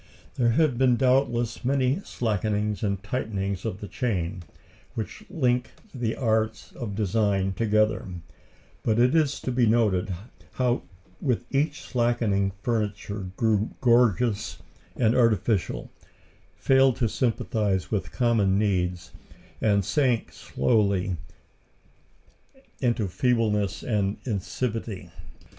There have been doubtless many slackenings and tightenings of the chain which links the arts of design together; but it is to be noted how with each slackening furniture grew gorgeous and artificial, failed to sympathise with common needs, and sank slowly but surely into feebleness and insipidity.